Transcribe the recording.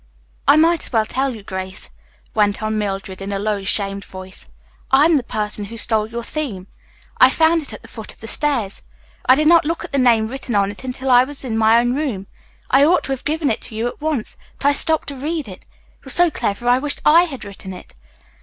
"I might as well tell you, Grace," went on Mildred in a low, shamed voice. "I am the person who stole your theme. I found it at the foot of the stairs. I did not look at the name written on it until I was in my own room. I ought to have given it to you at once, but I stopped to read it. It was so clever I wished I had written it.